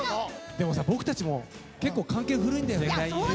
でもさ僕たちも結構関係古いんだよね。